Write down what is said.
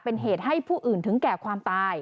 เป็นเหตุให้ผู้อื่นถึงแก่ความตาย